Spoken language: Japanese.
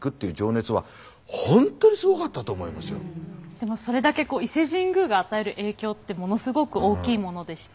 でもそれだけ伊勢神宮が与える影響ってものすごく大きいものでして。